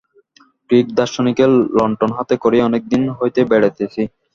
Greek দার্শনিকের লণ্ঠন হাতে করিয়া অনেক দিন হইতেই বেড়াইতেছি।